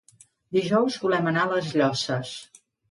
Dijous volem anar a les Llosses.